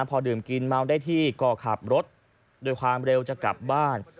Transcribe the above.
พอดื่มกินเมาได้ที่ก็ขับรถด้วยความเร็วจะกลับบ้าน